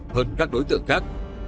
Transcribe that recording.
hơn các đối tượng khác